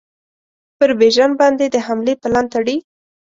پر بیژن باندي د حملې پلان تړي.